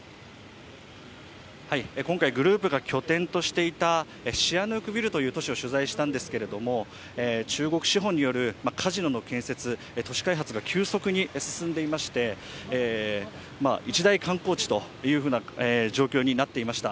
今回グループが拠点としていたシアヌークビルという都市を取材したんですけども、中国資本によるカジノの建設、都市開発が急速に進んでいまして、一大観光地という状況になっていました。